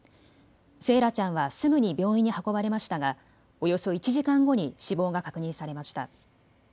惺愛ちゃんはすぐに病院に運ばれましたがおよそ１時間後に死亡が確認されました。